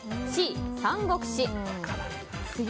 Ｃ、「三国志」。